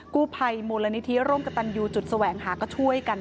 กู้ไพมูลนิธิโรงกระตันยูจุดแสวงหาก็ช่วยกัน